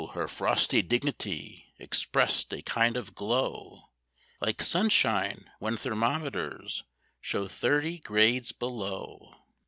her frosty dignity expressed a kind of glow Like sunshine when thermometers show thirty grades below.